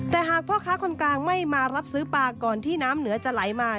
แต่หากพ่อค้าคนกลางไม่มารับซื้อปลาก่อนที่น้ำเหนือจะไหลมา